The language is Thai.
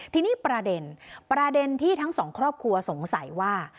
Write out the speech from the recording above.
ทีนี้ประเด็นประเด็นที่ทั้งสองครอบครัวสงสัยว่า